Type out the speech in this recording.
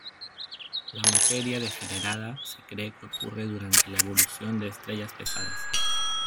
La materia degenerada se cree que ocurre durante la evolución de estrellas pesadas.